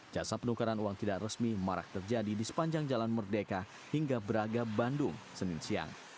jasa penukaran uang tidak resmi marak terjadi di sepanjang jalan merdeka hingga braga bandung senin siang